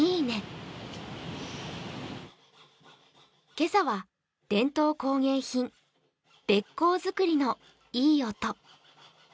今朝は伝統工芸品、べっ甲作りのいい音。